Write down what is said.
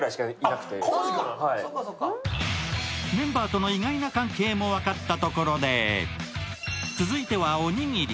メンバーとの意外な関係も分かったところで続いては、おにぎり。